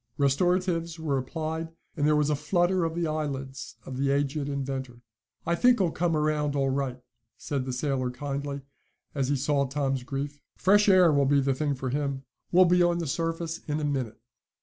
Restoratives were applied, and there was a flutter of the eyelids of the aged inventor. "I think he'll come around all right," said the sailor kindly, as he saw Tom's grief. "Fresh air will be the thing for him. We'll be on the surface in a minute."